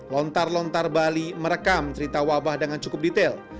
lontar lontar bali merekam cerita wabah dengan cukup detail